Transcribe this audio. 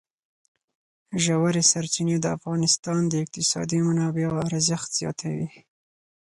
ژورې سرچینې د افغانستان د اقتصادي منابعو ارزښت زیاتوي.